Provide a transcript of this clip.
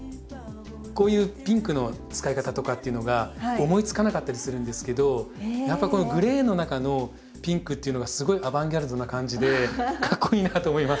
こういうピンクの使い方とかっていうのが思いつかなかったりするんですけどやっぱこのグレーの中のピンクっていうのがすごいアバンギャルドな感じでかっこいいなと思います。